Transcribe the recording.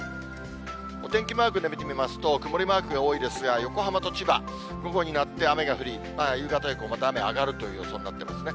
お天気マークで見てみますと、曇りマークが多いですが、横浜と千葉、午後になって雨が降り、夕方以降もまた雨上がるという予想になってますね。